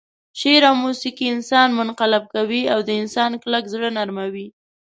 شعر او موسيقي انسان منقلب کوي او د انسان کلک زړه نرموي.